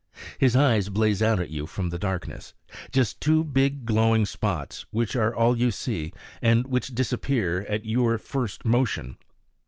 His eyes blaze out at you from the darkness, just two big glowing spots, which are all you see, and which disappear at your first motion.